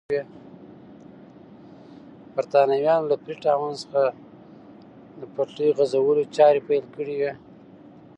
برېټانویانو له فري ټاون څخه د پټلۍ غځولو چارې پیل کړې وې.